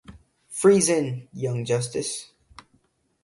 Freeze in "Young Justice".